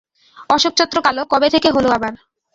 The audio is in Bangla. অশোকচক্র কালো কবে থেকে হলো আবার?